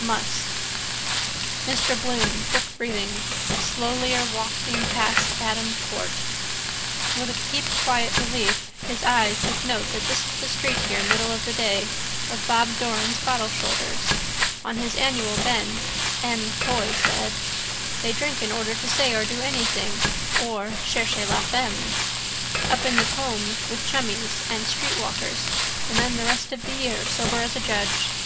Must. Mr Bloom, quickbreathing, slowlier walking passed Adam court. With a keep quiet relief his eyes took note this is the street here middle of the day of Bob Doran's bottle shoulders. On his annual bend, M'Coy said. They drink in order to say or do something or cherchez la femme. Up in the Coombe with chummies and streetwalkers and then the rest of the year sober as a judge.